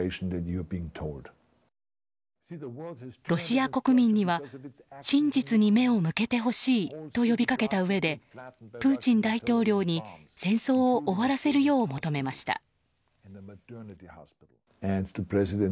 ロシア国民には真実に目を向けてほしいと呼びかけたうえでプーチン大統領に戦争を終わらせるよう求めました。